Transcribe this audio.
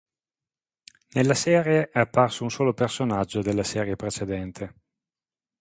Nella serie è apparso un solo personaggio della serie precedente.